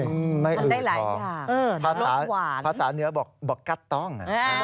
มันได้หลายอย่างภาษาเนื้อบอกกัตต้อง